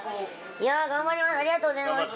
頑張ります。